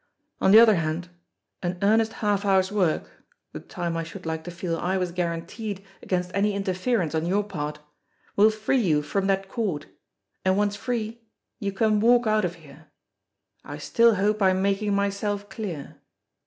On the other hand, an earnest half hour's work the time I should like to feel I was guaranteed against any interference on your part will free you from that cord, and once free you can walk out of here. I still hope I am making myself clear."